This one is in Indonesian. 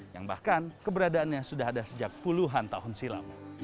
yang bahkan keberadaannya sudah ada sejak puluhan tahun silam